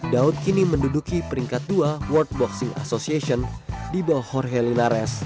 daud kini menduduki peringkat dua world boxing association di bawah jorhelinares